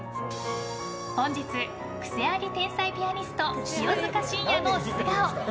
本日、クセあり天才ピアニスト清塚信也の素顔。